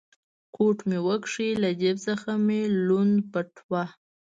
کوټ مې و کښ، له جېب څخه مې لوند بټوه.